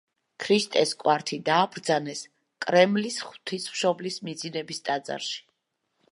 ქრისტეს კვართი დააბრძანეს კრემლის ღვთისმშობლის მიძინების ტაძარში.